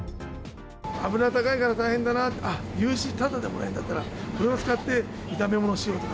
油高いから大変だな、あっ、牛脂、ただでもらえるんだったら、これを使って炒め物しようとか。